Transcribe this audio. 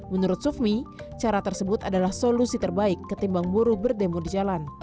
menurut sufmi cara tersebut adalah solusi terbaik ketimbang buruh berdemo di jalan